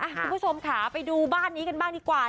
คุณผู้ชมค่ะไปดูบ้านนี้กันบ้างดีกว่า